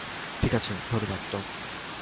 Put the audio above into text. ঠিক আছে, ধন্যবাদ, টম।